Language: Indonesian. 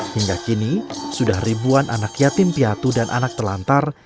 hingga kini sudah ribuan anak yatim piatu dan anak telantar